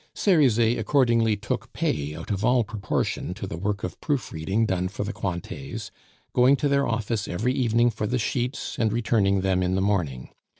Cerizet accordingly took pay out of all proportion to the work of proof reading done for the Cointets, going to their office every evening for the sheets, and returning them in the morning.